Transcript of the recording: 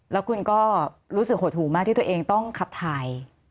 แล้วคุณก็รู้สึกหดหูมากที่ตัวเองต้องขับถ่าย